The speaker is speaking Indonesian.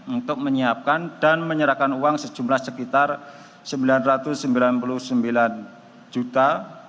untuk menyiapkan dan menyerahkan uang sejumlah sekitar rp sembilan ratus sembilan puluh sembilan juta